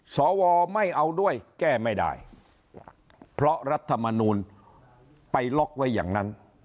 สวไม่เอาด้วยแก้ไม่ได้เพราะรัฐมนูลไปล็อกไว้อย่างนั้น